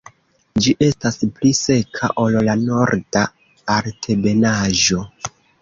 Ĝi estas pli seka ol la Norda Altebenaĵo.